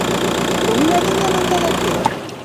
অভিবাদন জানান তাদেরকে!